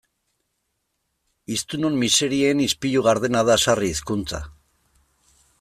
Hiztunon miserien ispilu gardena da sarri hizkuntza.